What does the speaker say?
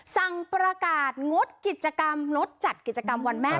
สั่งประกาศงดกิจกรรมงดจัดกิจกรรมวันแม่